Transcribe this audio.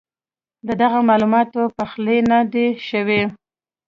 ددغه معلوماتو پخلی نۀ دی شوی